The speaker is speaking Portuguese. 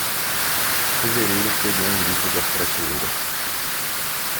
Fevereiro pegou um livro das prateleiras.